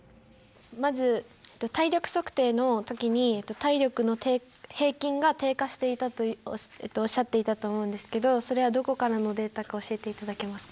まず体力測定の時に体力の平均が低下していたとおっしゃっていたと思うんですけどそれはどこからのデータか教えていただけますか？